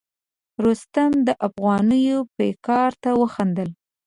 رستم د افغانیانو پیکار ته وخندل.